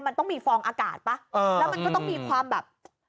มันต้องมีฟองอากาศป่ะแล้วมันก็ต้องมีความแบบ